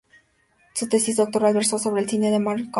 Su tesis doctoral versó sobre el cine de Mario Camus.